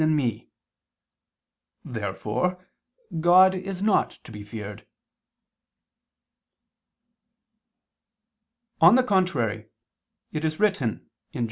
in Me." Therefore God is not to be feared. On the contrary, It is written (Jer.